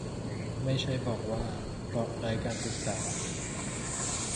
ไม่ใช่บอกว่า เพราะไร้การศึกษา